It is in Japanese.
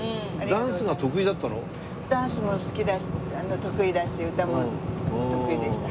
ダンスも好きだし得意だし歌も得意でした。